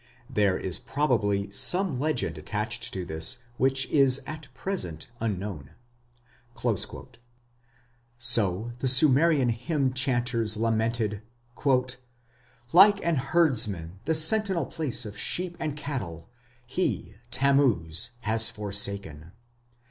There is probably some legend attached to this which is at present unknown." So the Sumerian hymn chanters lamented: Like an herdsman the sentinel place of sheep and cattle he (Tammuz) has forsaken...